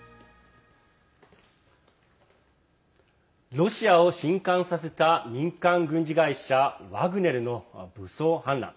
ロシアを震かんさせた民間軍事会社ワグネルの武装反乱。